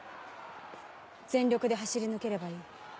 全力で走り抜ければいい。